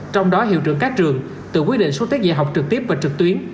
trong đó hiệu trưởng các trường tự quyết định số tiết dạy học trực tiếp và trực tuyến